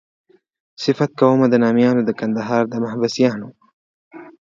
صفت کومه د نامیانو د کندهار د محبسیانو.